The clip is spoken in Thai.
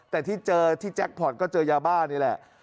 แต่ที่เจอที่แจ็คพอร์ตก็เจอยาบ้านี่แหละ